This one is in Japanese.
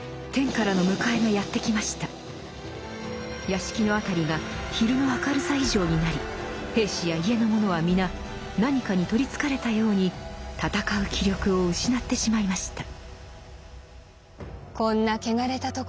屋敷の辺りが昼の明るさ以上になり兵士や家の者は皆何かに取りつかれたように戦う気力を失ってしまいました。